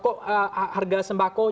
kok harga sembako